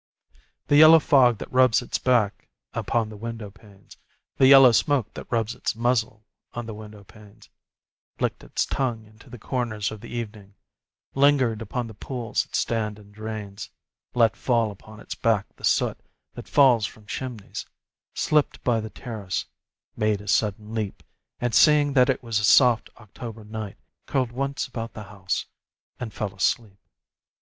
The yellow fog that rubs its back upon the window panes, The yellow smoke that rubs its muzzle on the window panes, Licked its tongue into the corners of the evening, Lingered upon the pools that stand in drains, Let fall upon its back the soot that falls from chimneys, Slipped by the terrace, made a sudden leap, And seeing that it was a soft October night, Curled once about the house, and fell asleep.